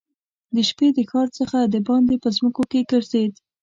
د شپې د ښار څخه دباندي په مځکو کې ګرځېد.